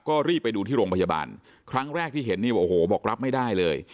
ก็รีบไปดูที่โรงพยาบาลครั้งแรกที่เห็นนี่โอ้โหบอกรับไม่ได้เลย